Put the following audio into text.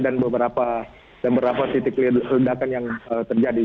dan beberapa titik ledakan yang terjadi